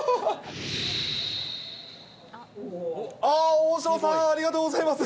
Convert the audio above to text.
大城さん、ありがとうございます。